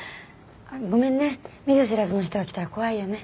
ごめんね見ず知らずの人が来たら怖いよね。